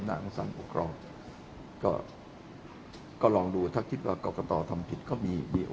พอเลือกตั้งเสร็จแล้วเดี๋ยวมานั่งโถ่เขียนกันว่าจะต้องใช้สูตรเลือกตั้งคำนวณสูตรไหนอะไรยังไงเนี่ย